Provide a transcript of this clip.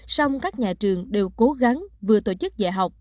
song các nhà trường đều cố gắng vừa tổ chức dạy học